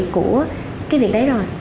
của cái việc đấy rồi